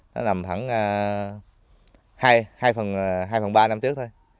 nó nằm thẳng hai phần ba năm trước thôi